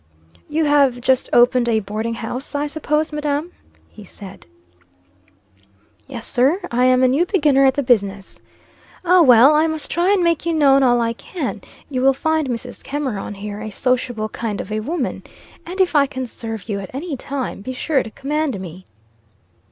"You have just opened a boarding house, I suppose, madam?" he said. "Yes sir, I am a new beginner at the business." "Ah well, I must try and make you known all I can. You will find Mrs. Cameron, here, a sociable kind of a woman. And if I can serve you at any time, be sure to command me."